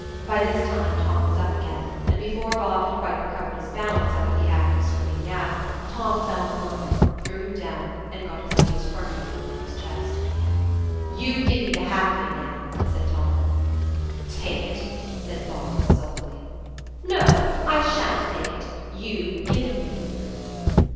By this time Tom was up again, and before Bob had quite recovered his balance after the act of swinging Yap, Tom fell upon him, threw him down, and got his knees firmly on Bob's chest. "You give me the halfpenny now," said Tom. "Take it," said Bob, sulkily. "No, I sha'n't take it; you give it me."